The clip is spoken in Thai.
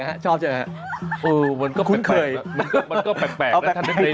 มันก็แปลกในแบบนั้นมันก็แปลก